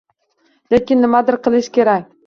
Lekin nimadir qilish kerak